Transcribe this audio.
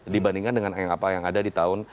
dibandingkan dengan yang ada di tahun dua ribu empat belas